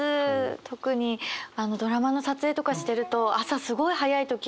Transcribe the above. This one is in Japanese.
特にドラマの撮影とかしてると朝すごい早い時あるじゃないですか。